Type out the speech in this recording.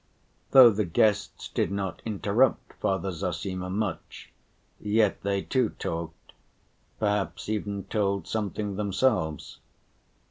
Though the guests did not interrupt Father Zossima much, yet they too talked, perhaps even told something themselves.